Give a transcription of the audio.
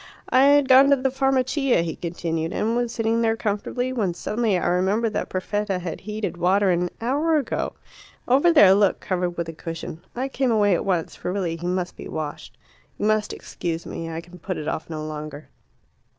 "I had gone to the Farmacia," he continued, "and was sitting there comfortably, when suddenly I remembered that Perfetta had heated water an hour ago over there, look, covered with a cushion. I came away at once, for really he must be washed. You must excuse me. I can put it off no longer."